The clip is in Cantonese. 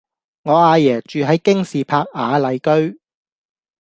我阿爺住喺京士柏雅麗居